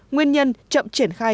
nguyên nhân chậm triển khai